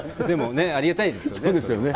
でもね、ありがたいです